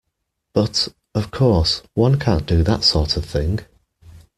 But, of course, one can't do that sort of thing.